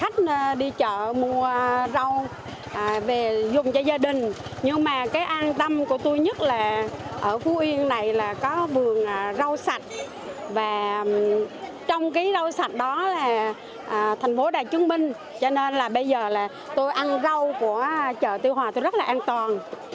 sạch đó là thành phố đài trương minh cho nên là bây giờ là tôi ăn rau của chợ tuy hòa tôi rất là an toàn